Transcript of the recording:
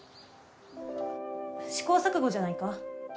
試行錯誤じゃないか？